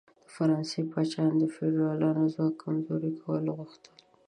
د فرانسې پاچاهان د فیوډالانو ځواک کمزوري کول غوښتل.